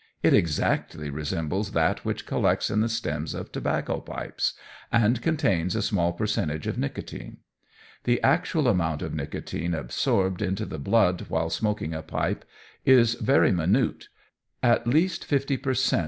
It exactly resembles that which collects in the stems of tobacco pipes, and contains a small percentage of nicotine. The actual amount of nicotine absorbed into the blood while smoking a pipe is very minute, at least fifty per cent.